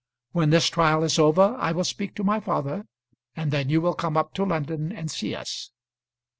When this trial is over I will speak to my father, and then you will come up to London and see us.